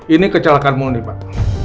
ini kecelakaanmu nih pak